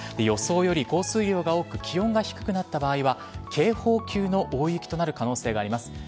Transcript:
予想より降水量が多く気温が低くなった場合は警報級の大雪となる可能性があります。